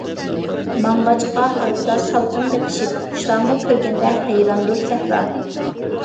ماڭغاچقا ھارۋىدا سالقىن بېقىشىپ، قۇشلارمۇ كۆرگەندە ھەيراندۇر سەھرا.